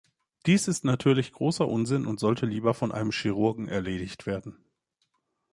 Dies ist natürlich großer Unsinn und sollte lieber von einem Chirurgen erledigt werden.